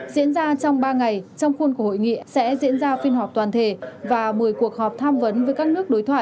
diễn ra trong ba ngày trong khuôn khổ hội nghị sẽ diễn ra phiên họp toàn thể và một mươi cuộc họp tham vấn với các nước đối thoại